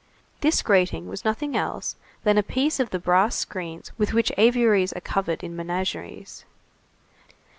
This grating was nothing else than a piece of the brass screens with which aviaries are covered in menageries.